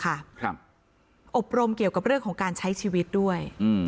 อบรมเกี่ยวกับเรื่องของการใช้ชีวิตด้วยอืม